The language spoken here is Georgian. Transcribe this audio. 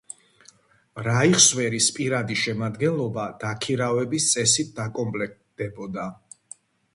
რაიხსვერის პირადი შემადგენლობა დაქირავების წესით კომპლექტდებოდა.